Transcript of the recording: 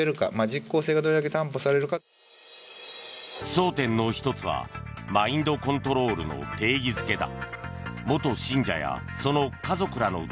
争点の１つはマインドコントロールの定義づけだ。